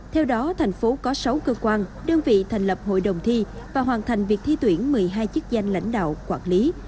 theo đó thành phố có sáu cơ quan đơn vị thành lập hội đồng thi và hoàn thành việc thi tuyển một mươi hai chức danh lãnh đạo quản lý